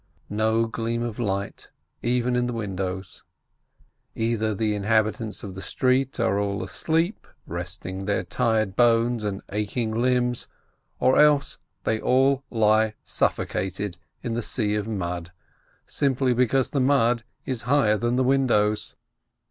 No gleam of light, even in the windows. Either the inhabitants of the street are all asleep, resting their tired bones and aching limbs, or else they all lie suffocated in the sea of mud, simply because the mud is higher than the windows.